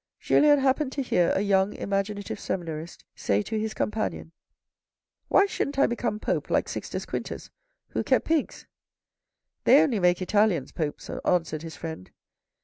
Julien happened to hear ayoung imaginative seminarist say to his companion. i9o THE RED AND THE BLACK "Why shouldn't I become Pope like Sixtus Quintus who kept pigs ?" "They only make Italians Popes," answered his friend.